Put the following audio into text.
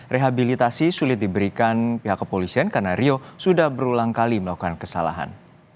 rehabilitasi sulit diberikan pihak kepolisian karena rio sudah berulang kali melakukan kesalahan